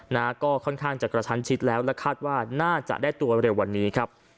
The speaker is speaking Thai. นะฮะก็ค่อนข้างจะกระชั้นชิดแล้วและคาดว่าน่าจะได้ตัวเร็ววันนี้ครับ